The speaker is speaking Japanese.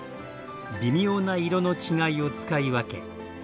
微妙な色の違いを使い分け